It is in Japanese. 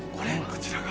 こちらが。